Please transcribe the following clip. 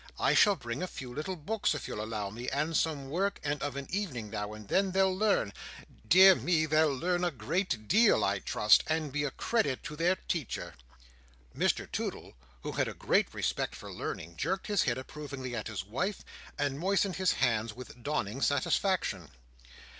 I shall bring a few little books, if you'll allow me, and some work, and of an evening now and then, they'll learn—dear me, they'll learn a great deal, I trust, and be a credit to their teacher." Mr Toodle, who had a great respect for learning, jerked his head approvingly at his wife, and moistened his hands with dawning satisfaction.